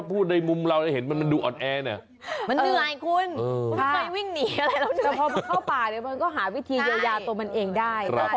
ผมหาวิธียะยาตัวมันเองได้